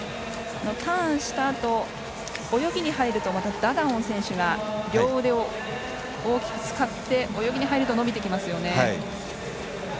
ターンしたあと泳ぎに入るとまたダダオン選手が両腕を大きく使って泳ぎに入ると伸びてきますよね。